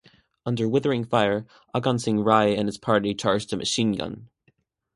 Under withering fire Agansing Rai and his party charged a machine-gun.